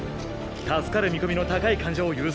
助かる見込みの高い患者を優先すべきだ。